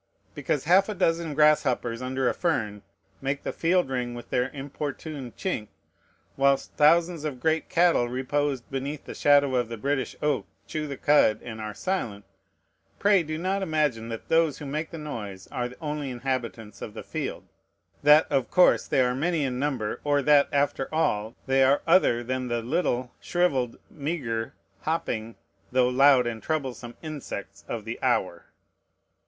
Because half a dozen grasshoppers under a fern make the field ring with their importunate chink, whilst thousands of great cattle reposed beneath the shadow of the British oak chew the cud and are silent, pray do not imagine that those who make the noise are the only inhabitants of the field, that, of course, they are many in number, or that, after all, they are other than the little, shrivelled, meagre, hopping, though loud and troublesome insects of the hour.